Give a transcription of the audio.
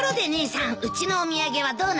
うちのお土産はどうなったの？